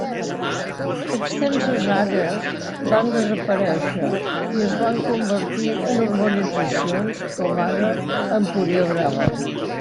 Extenses àrees van desaparèixer i es van convertir en urbanitzacions, com ara Empuriabrava.